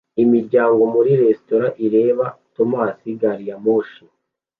Imiryango muri resitora ireba Thomas Gariyamoshi